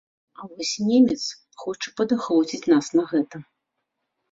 А вось немец хоча падахвоціць нас на гэта.